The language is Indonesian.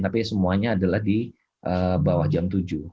tapi semuanya adalah di bawah jam tujuh